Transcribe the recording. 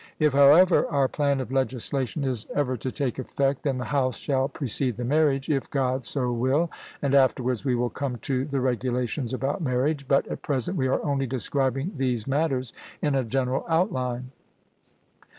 If, however, our plan of legislation is ever to take effect, then the house shall precede the marriage if God so will, and afterwards we will come to the regulations about marriage; but at present we are only describing these matters in a general outline.